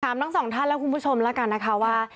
ทั้งสองท่านและคุณผู้ชมแล้วกันนะคะว่า